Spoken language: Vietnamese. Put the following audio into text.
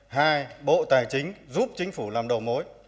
hai bộ tài chính giúp chính phủ làm đầu mối